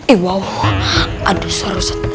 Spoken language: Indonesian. iwaa aduh seru seru